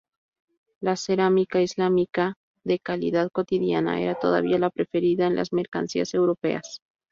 La cerámica islámica de calidad cotidiana era todavía la preferida en las mercancías europeas.